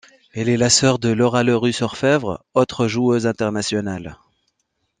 Elle est la sœur de Laura Lerus-Orfèvres, autre joueuse internationale.